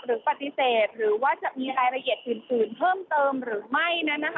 หรือปฏิเสธหรือว่าจะมีรายละเอียดอื่นเพิ่มเติมหรือไม่